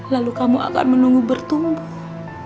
lalu kamu akan menunggu bertumbuh